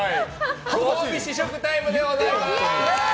ご褒美試食タイムでございます。